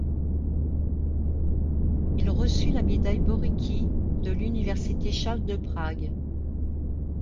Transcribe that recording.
Il reçut la médaille Bořicky de l'université Charles de Prague.